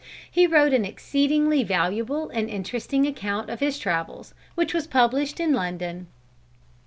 He wrote an exceedingly valuable and interesting account of his travels which was published in London.